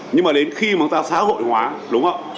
nhưng mà đến khi mà chúng ta xã hội hóa đúng không